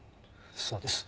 そうです。